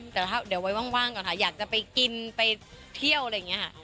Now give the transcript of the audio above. แต่ถ้าเดี๋ยวไว้ว่างก่อนค่ะอยากจะไปกินไปเที่ยวอะไรอย่างนี้ค่ะ